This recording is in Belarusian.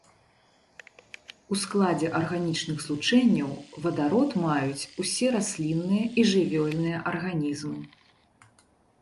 У складзе арганічных злучэнняў вадарод маюць усе раслінныя і жывёльныя арганізмы.